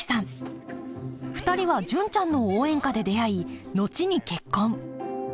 ２人は「純ちゃんの応援歌」で出会い後に結婚